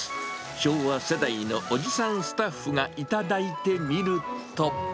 昭和世代のおじさんスタッフが頂いてみると。